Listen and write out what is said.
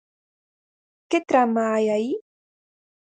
Que trama hai aí?